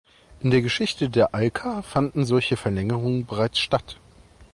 In der Geschichte der Alka fanden solche Verlängerungen bereits statt.